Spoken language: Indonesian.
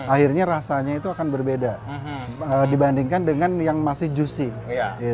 akhirnya rasanya itu akan berbeda dibandingkan dengan yang masih juicy